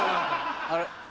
あれ？